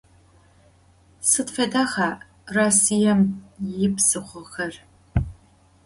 Sıd fedexa Rossiêm yipsıxhoxer?